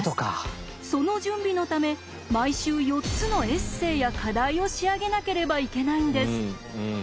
その準備のため毎週４つのエッセイや課題を仕上げなければいけないんです。